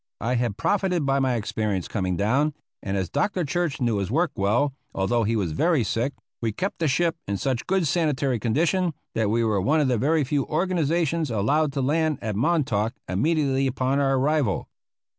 I had profited by my experience coming down, and as Dr. Church knew his work well, although he was very sick, we kept the ship in such good sanitary condition, that we were one of the very few organizations allowed to land at Montauk immediately upon our arrival.